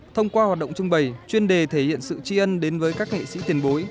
thông qua hoạt động trưng bày chuyên đề thể hiện sự tri ân đến với các nghệ sĩ tiền bối